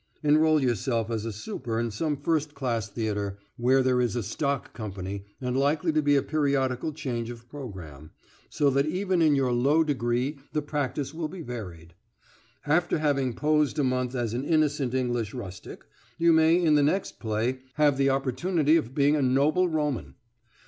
Enroll yourself as a "super" in some first class theatre, where there is a stock Company and likely to be a periodical change of programme, so that even in your low degree the practice will be varied. After having posed a month as an innocent English rustic, you may, in the next play, have an opportunity of being a noble Roman.